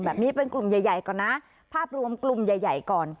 แบบนี้เป็นกลุ่มใหญ่ก่อนนะภาพรวมกลุ่มใหญ่ก่อน